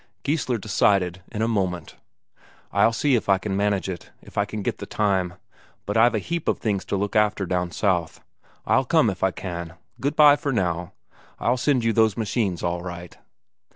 Geissler decided in a moment. "I'll see if I can manage it, if I can get the time. But I've a heap of things to look after down south. I'll come if I can. Good bye for now. I'll send you those machines all right."